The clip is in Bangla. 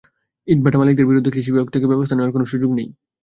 ইটভাটা মালিকদের বিরুদ্ধে কৃষি বিভাগ থেকে ব্যবস্থা নেওয়ার কোনো সুযোগ নেই।